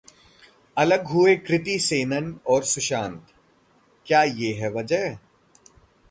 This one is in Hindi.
अलग हुए कृति सेनन और सुशांत, क्या ये है वजह?